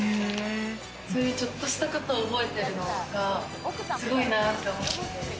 そういうちょっとしたことを覚えてるのがすごいなと思って。